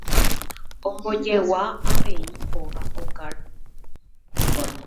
Ombojegua avei óga okára.